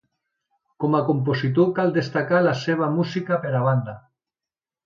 Com a compositor cal destacar la seva música per a banda.